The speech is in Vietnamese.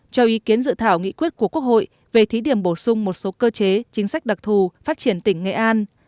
cho ý kiến dự thảo nghị quyết của quốc hội về thí điểm bổ sung một số cơ chế chính sách đặc thù phát triển tỉnh nghệ an